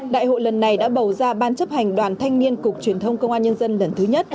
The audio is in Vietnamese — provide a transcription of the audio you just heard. đại hội lần này đã bầu ra ban chấp hành đoàn thanh niên cục truyền thông công an nhân dân lần thứ nhất